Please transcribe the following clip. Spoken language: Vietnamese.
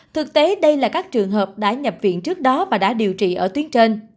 thực tế đây là các trường hợp đã nhập viện trước đó và đã điều trị ở tuyến trên